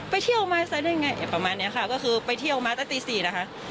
ไปเที่ยวมาซะได้ไงประมาณนี้ค่ะก็คือไปเที่ยวมาตั้งแต่ตีสี่นะคะ